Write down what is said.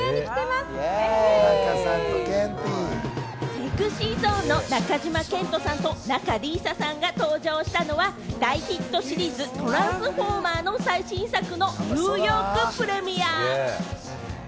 ＳｅｘｙＺｏｎｅの中島健人さんと仲里依紗さんが登場したのは、大ヒットシリーズ『トランスフォーマー』の最新作のニューヨークプレミア。